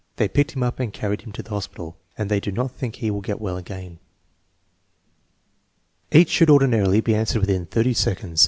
They picked him up and carried him to the hospital, and they do not think he will get well again" Each should ordinarily be answered within thirty sec onds.